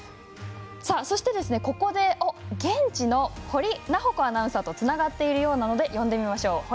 そして、ここで現地の堀菜保子アナウンサーとつながっているようなので呼んでみましょう。